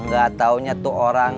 gak tahunya itu orang